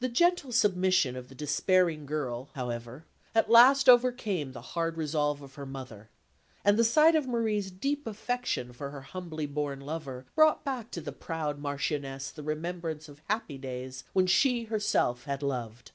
The gentle submission of the despairing girl, however, at last overcame the hard resolve of her mother; and the sight of Marie's deep affection for her humbly born lover brought back to the proud Marchioness the remembrance of happy days when she herself had loved.